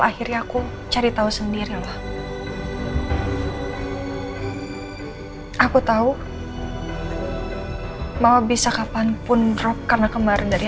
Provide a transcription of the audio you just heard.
sendiri aku cari tahu sendiri loh aku tahu mau bisa kapanpun drop karena kemarin dari